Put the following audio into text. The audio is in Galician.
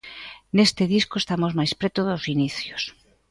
Neste disco estamos máis preto dos inicios.